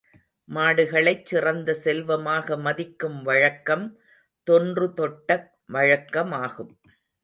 மாடுகளைச் சிறந்த செல்வமாக மதிக்கும் வழக்கம், தொன்று தொட்ட வழக்கமாகும்.